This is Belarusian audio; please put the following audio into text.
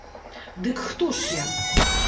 Дык хто ж я?